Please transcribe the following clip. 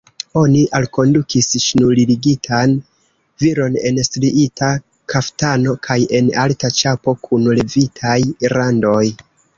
Oni alkondukis ŝnurligitan viron en striita kaftano kaj en alta ĉapo kun levitaj randoj.